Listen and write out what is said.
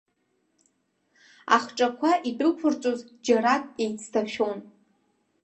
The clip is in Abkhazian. Ахҿақәа идәықәырҵоз џьарак еицҭашәон.